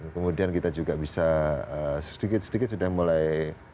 kemudian kita juga bisa sedikit sedikit sudah mulai